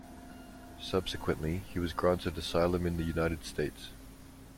Subsequently he was granted asylum in the United States.